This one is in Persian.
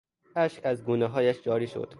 اشک از گونههایش جاری شد.